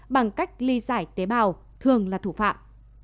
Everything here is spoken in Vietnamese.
bằng cách ly giải tế bào thường là thủ phạm